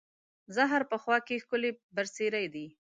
زهر په خوا کې، ښکلې برسېرې دي